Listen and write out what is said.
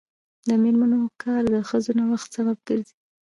د میرمنو کار د ښځو نوښت سبب ګرځي.